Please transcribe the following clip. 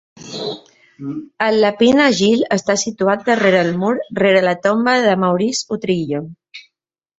El Lapin Agile està situat darrere el mur, rere la tomba de Maurice Utrillo.